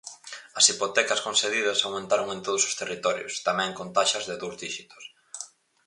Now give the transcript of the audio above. As hipotecas concedidas aumentaron en todos os territorios, tamén con taxas de dous díxitos.